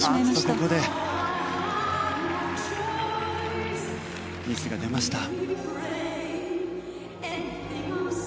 ここでミスが出ました。